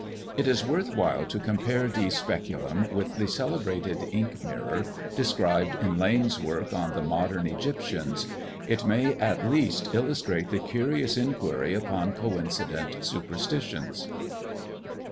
It is worth while to compare Dee's speculum with the celebrated ink mirror described in Lane's work on the Modern Egyptians; it may, at least, illustrate the curious inquiry upon coincident superstitions.